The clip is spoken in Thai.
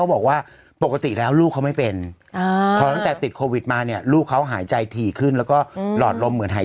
อ่ะสามารถเป็นรองโควิดได้เมี่ยคือมันมันหลากหลายมา